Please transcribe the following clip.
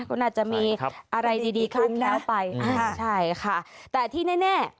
ก็น่าจะมีอะไรดีขึ้นแล้วไปอ่าใช่ค่ะแต่ที่แน่